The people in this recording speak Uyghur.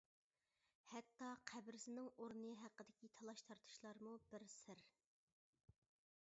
ھەتتا قەبرىسىنىڭ ئورنى ھەققىدىكى تالاش-تارتىشلارمۇ بىر سىر!